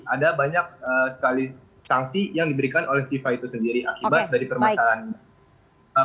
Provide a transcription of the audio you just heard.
ada banyak sekali sanksi yang diberikan oleh fifa itu sendiri akibat dari permasalahan